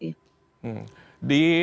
di bandingnya ya